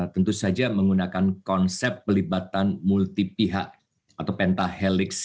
tentu saja menggunakan konsep pelibatan multi pihak atau pentahelix